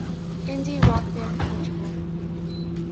Indie rock band Portugal.